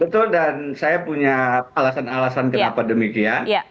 betul dan saya punya alasan alasan kenapa demikian